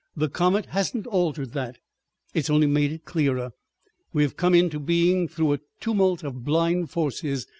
The comet hasn't altered that; it's only made it clearer. We have come into being through a tumult of blind forces.